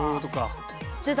出た。